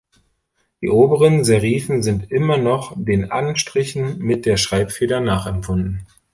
Die oberen Serifen sind immer noch den Anstrichen mit der Schreibfeder nachempfunden.